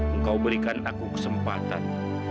engkau berikan aku kesempatan